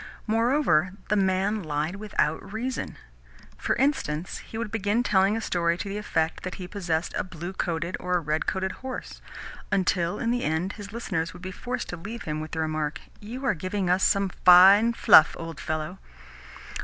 Moreover, the man lied without reason. For instance, he would begin telling a story to the effect that he possessed a blue coated or a red coated horse; until, in the end, his listeners would be forced to leave him with the remark, "You are giving us some fine stuff, old fellow!"